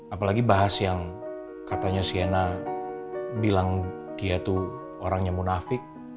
apalagi bahas yang katanya siena bilang dia tuh orangnya munafik